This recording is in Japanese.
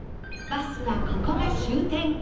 バスはここが終点